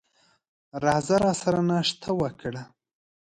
راځه راسره ناشته وکړه !